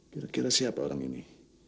kira kira siapa orang ini